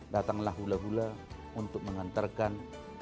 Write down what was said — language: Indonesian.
datanglah hula hula untuk mengantarkan